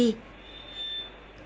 đây chẳng hạn